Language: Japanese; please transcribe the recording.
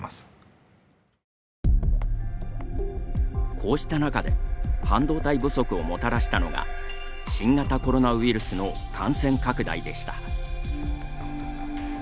こうした中で、半導体不足をもたらしたのが新型コロナウイルスの感染拡大でした。